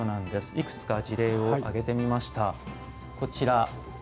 いくつか事例を挙げてみました。